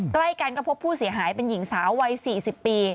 ใกล้กันก็พบผู้เสียหายเป็นหญิงสาววัย๔๐ปี